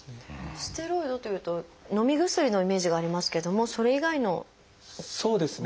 ステロイドというとのみ薬のイメージがありますけどもそれ以外のものなんですね。